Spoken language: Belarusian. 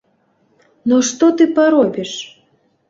Ну што ты паробіш.